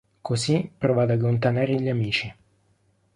Così prova ad allontanare gli amici.